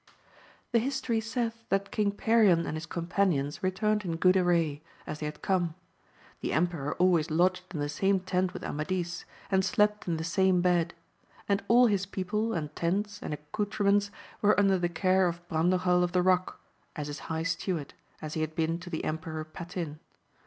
HE history saith, that King Perion and his companions returned in good array, as they had come; the emperor always lodged in the same tent with Amadis, and slept in the same hed ; and all his people, and tents, and accoutrements, were under the care of Brondajel of the Rock, as his High Steward, as he had been to the Emperor Patin.